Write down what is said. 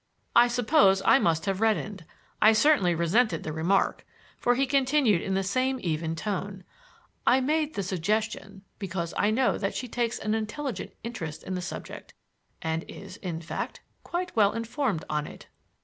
I suppose I must have reddened I certainly resented the remark for he continued in the same even tone: "I made the suggestion because I know that she takes an intelligent interest in the subject and is, in fact, quite well informed on it."